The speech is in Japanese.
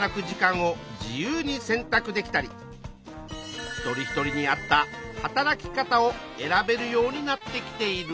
一人一人に合った働き方を選べるようになってきているんだ。